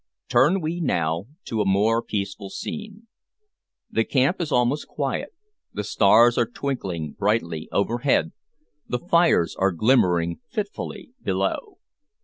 Turn we now to a more peaceful scene. The camp is almost quiet, the stars are twinkling brightly overhead, the fires are glimmering fitfully below.